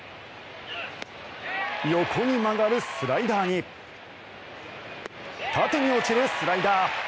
横に曲がるスライダーに縦に落ちるスライダー。